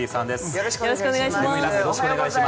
よろしくお願いします。